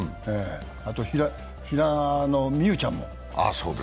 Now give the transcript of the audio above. あと平野美宇ちゃんも。